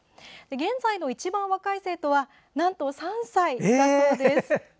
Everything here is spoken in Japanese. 現在の一番若い生徒はなんと３歳だそうです。